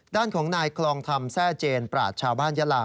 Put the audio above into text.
ด้านของนายคลองธรรมแทร่เจนปราศชาวบ้านยาลา